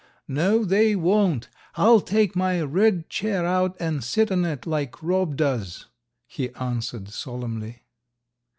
"No, they won't; I'll take my red chair out and sit on it, like Rob does," he answered, solemnly.